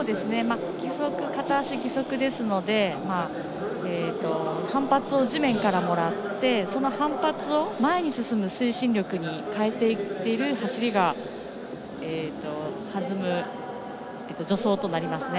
片足義足ですので反発を地面からもらってその反発を前に進む推進力に変えていっている走りが弾む助走となりますね。